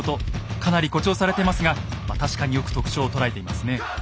かなり誇張されてますがまあ確かによく特徴を捉えていますね。